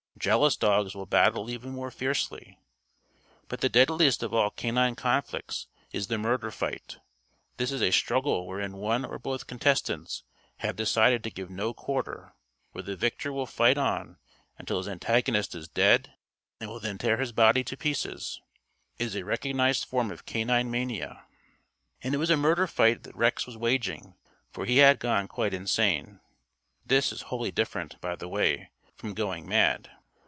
Jealous dogs will battle even more fiercely. But the deadliest of all canine conflicts is the "murder fight." This is a struggle wherein one or both contestants have decided to give no quarter, where the victor will fight on until his antagonist is dead and will then tear his body to pieces. It is a recognized form of canine mania. And it was a murder fight that Rex was waging, for he had gone quite insane. (This is wholly different, by the way, from "going mad.")